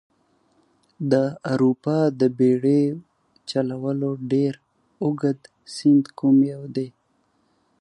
د اروپا د بیړیو چلولو ډېر اوږد سیند کوم یو دي؟